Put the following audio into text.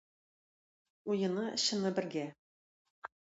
Уены-чыны бергә